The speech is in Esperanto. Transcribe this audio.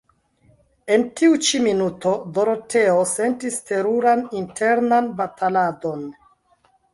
En tiu ĉi minuto Doroteo sentis teruran internan bataladon.